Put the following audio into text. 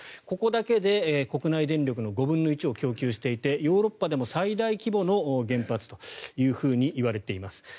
ここだけで国内電力の５分の１を供給していてヨーロッパでも最大規模の原発といわれています。